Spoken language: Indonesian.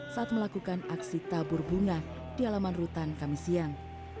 saat melakukan aksi tabur bunga di alaman rutan kamisiyang